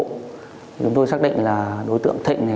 chúng tôi xác định là đối tượng thịnh này